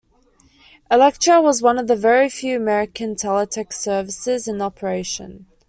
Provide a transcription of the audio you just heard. Electra was one of the very few American teletext services in operation.